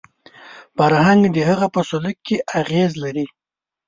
فرهنګ د هغه په سلوک کې اغېز لري